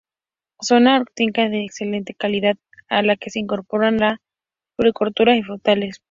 Zona hortícola de excelente calidad, a la que se incorporaron la floricultura y frutales.